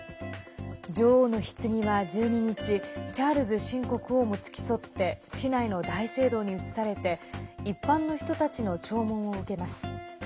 女王のひつぎは１２日チャールズ新国王も付き添って市内の大聖堂に移されて一般の人たちの弔問を受けます。